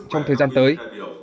trong thời gian tới